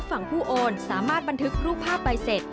ฝั่งผู้โอนสามารถบันทึกรูปภาพใบเสร็จ